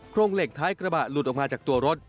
โรงเหล็กท้ายกระบะหลุดออกมาจากตัวรถ